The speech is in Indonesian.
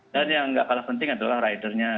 dan yang gak kalah penting adalah rider nya